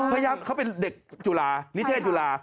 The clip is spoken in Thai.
พยายามเขาเป็นเด็กจุฬานิเทศจุฬา